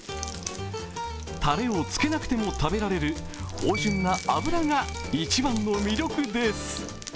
たれをつけなくても食べられる芳じゅんな脂が一番の魅力です。